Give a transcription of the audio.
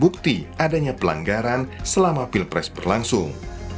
bukti adanya pelanggaran selama pilpres berlangsung